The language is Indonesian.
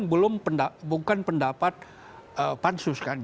bukan pendapat pansus kan